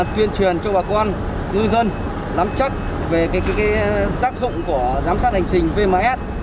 tuyên truyền cho bà con ngư dân nắm chắc về tác dụng của giám sát hành trình vms